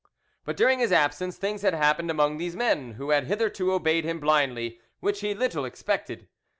But during his absence things had happened among these men, who had hitherto obeyed him blindly, which he little expected.